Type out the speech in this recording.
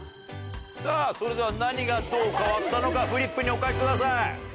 さぁそれでは何がどう変わったのかフリップにお書きください。